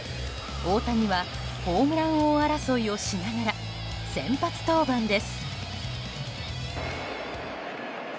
大谷はホームラン王争いをしながら先発登板です。